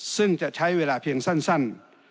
ซึ่งจะใช้เวลาเพียงสั้น